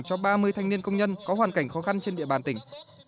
cho ba mươi thanh niên công nhân có hoàn cảnh khó khăn trên địa bàn tỉnh